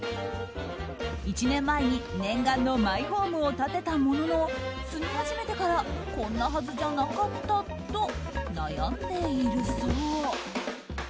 １年前に念願のマイホームを建てたものの住み始めてからこんなはずじゃなかったと悩んでいるそう。